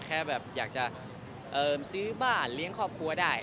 แค่แบบอยากจะซื้อบ้านเลี้ยงครอบครัวได้